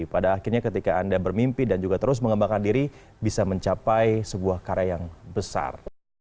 pada akhirnya ketika anda bermimpi dan juga terus mengembangkan diri bisa mencapai sebuah karya yang besar